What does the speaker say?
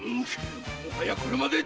もはやこれまで！